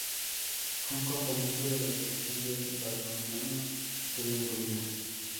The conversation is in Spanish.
Fue un componente de la Selección de balonmano de Hungría.